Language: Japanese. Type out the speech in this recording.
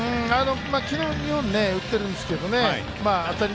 昨日２本打っているんですけど当たり